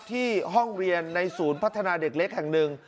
ห้องเรียนในศูนย์พัฒนาเด็กเล็กแห่งหนึ่ง